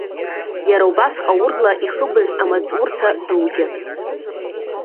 Иара убас ҟаурла ихыбыз амаҵурҭа дугьы.